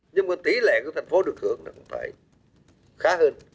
nhưng mà tỷ lệ của tp hcm được thưởng là không phải khá hơn